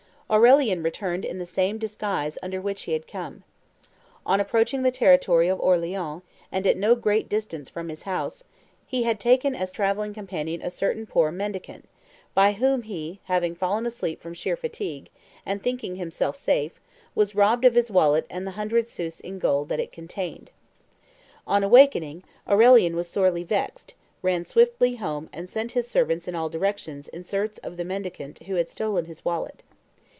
Aurelian returned in the same disguise under which he had come. On approaching the territory of Orleans, and at no great distance from his house, he had taken as travelling companion a certain poor mendicant, by whom he, having fallen asleep from sheer fatigue, and thinking himself safe, was robbed of his wallet and the hundred sous in gold that it contained. On awaking, Aurelian was sorely vexed, ran swiftly home and sent his servants in all directions in search of the mendicant who had stolen his wallet.